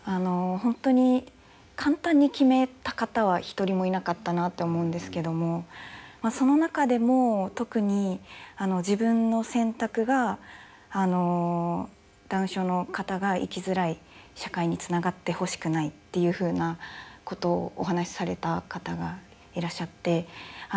本当に簡単に決めた方は一人もいなかったなと思うんですけどもその中でも特に自分の選択がダウン症の方が生きづらい社会につながってほしくないっていうふうなことをお話しされた方がいらっしゃって。